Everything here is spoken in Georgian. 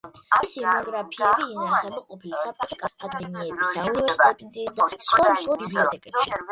მისი მონოგრაფიები ინახება ყოფილი საბჭოთა კავშირის აკადემიებისა, უნივერსიტეტებისა და სხვა მსხვილ ბიბლიოთეკებში.